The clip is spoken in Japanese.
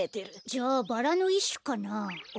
じゃバラのいっしゅかな。